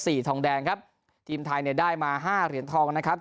ทองแดงครับทีมไทยเนี่ยได้มาห้าเหรียญทองนะครับ